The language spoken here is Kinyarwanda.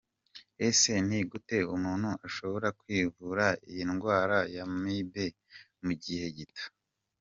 Ese ni gute umuntu ashobora kwivura iyi ndwara ya amibe mu gihe gito?.